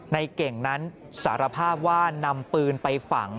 ในเก่งนั้นสารภาพว่านำปืนไปฝัง